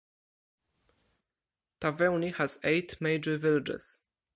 Taveuni has eight major villages.